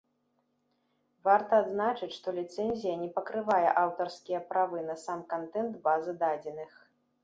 Варта адзначыць што ліцэнзія не пакрывае аўтарскія правы на сам кантэнт базы дадзеных.